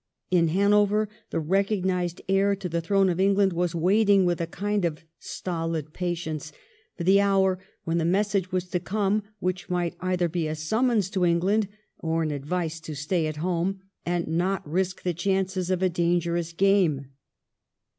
In Hanover the recognised heir to the throne of England was waiting with a kind of stolid patience for the hour when the message was to come which might either be a summons to England or an advice to stay at home and not risk the chances of a dangerous game.